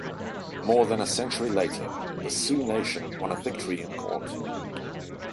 More than a century later, the Sioux nation won a victory in court.